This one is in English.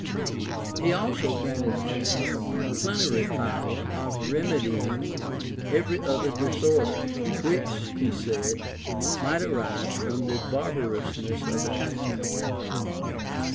[*] He also granted Anselm a plenary power of remedying every other disorder, which, he said, might arise from the barbarousness of he country.